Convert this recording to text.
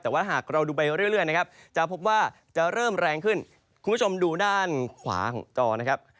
แต่ว่าหากเราดูไปเรื่อยนะครับจะพบว่าจะเริ่มแรงขึ้นคุณผู้ชมดูด้านขวาของจอนะครับ